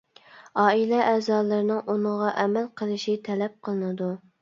ئائىلە ئەزالىرىنىڭ ئۇنىڭغا ئەمەل قىلىشى تەلەپ قىلىنىدۇ.